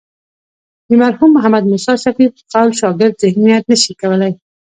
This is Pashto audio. د مرحوم محمد موسی شفیق په قول شاګرد ذهنیت نه شي کولی.